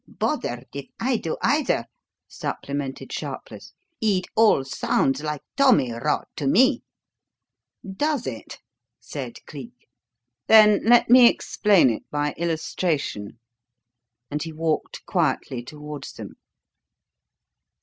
"Bothered if I do either," supplemented Sharpless. "It all sounds like tommy rot to me." "Does it?" said Cleek. "Then let me explain it by illustration" and he walked quietly towards them.